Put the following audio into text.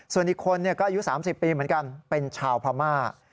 ส่วนอีกคนก็อายุ๓๐ปีเหมือนกันเป็นชาวพม่า